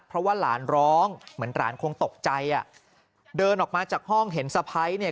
เพราะว่าหลานร้องเหมือนหลานคงตกใจอ่ะเดินออกมาจากห้องเห็นสะพ้ายเนี่ย